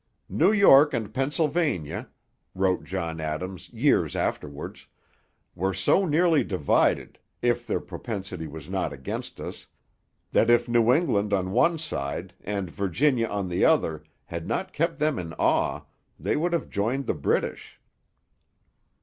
'New York and Pennsylvania,' wrote John Adams years afterwards, 'were so nearly divided if their propensity was not against us that if New England on one side and Virginia on the other had not kept them in awe, they would have joined the British.'